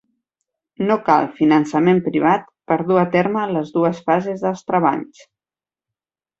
No cal finançament privat per dur a terme les dues fases dels treballs.